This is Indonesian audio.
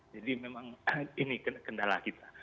jadi memang ini kendala kita